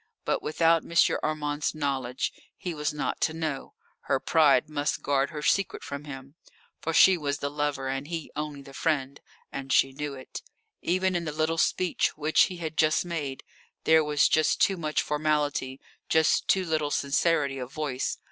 But without M. Armand's knowledge; he was not to know; her pride must guard her secret from him. For she was the lover and he only the friend, and she knew it. Even in the little speech which he had just made, there was just too much formality, just too little sincerity of voice.